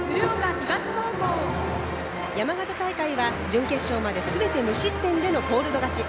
山形大会は、準決勝まですべて無失点でのコールド勝ち。